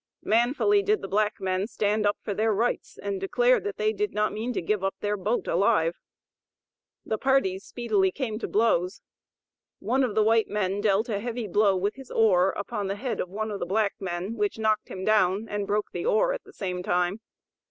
Manfully did the black men stand up for their rights, and declare that they did not mean to give up their boat alive. The parties speedily came to blows. One of the white men dealt a heavy blow with his oar upon the head of one of the black men, which knocked him down, and broke the oar at the same time.